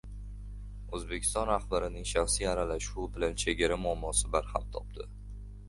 “O‘zbekiston rahbarining shaxsiy aralashuvi bilan chegara muammosi barham topdi...”